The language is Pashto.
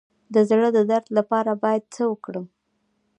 د زړه د درد لپاره باید څه وکړم؟